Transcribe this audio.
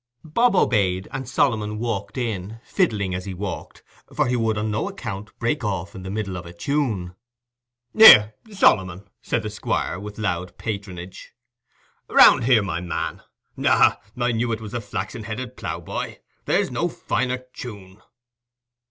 Bob obeyed, and Solomon walked in, fiddling as he walked, for he would on no account break off in the middle of a tune. "Here, Solomon," said the Squire, with loud patronage. "Round here, my man. Ah, I knew it was "The flaxen headed ploughboy": there's no finer tune."